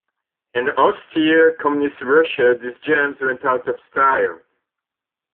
In austere Communist Russia, these gems went out of style.